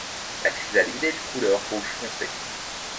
La chrysalide est de couleur rouge foncé.